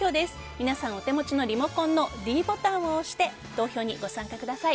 皆さん、お手持ちのリモコンのｄボタンを押して投票にご参加ください。